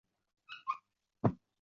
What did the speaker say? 这一结论被称为蒙日圆。